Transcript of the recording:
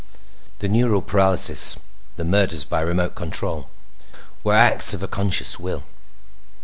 The neural paralysis, the murders by remote control, were acts of a conscious will.